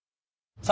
さあ